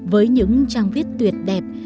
với những trang viết tuyệt đẹp